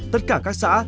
tất cả các xã